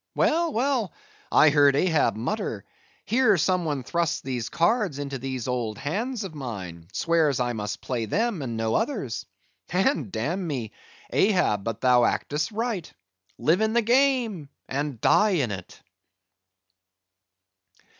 Well, well; I heard Ahab mutter, 'Here some one thrusts these cards into these old hands of mine; swears that I must play them, and no others.' And damn me, Ahab, but thou actest right; live in the game, and die in it!"